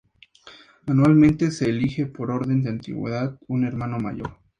Anualmente se elige, por orden de antigüedad, un Hermano Mayor.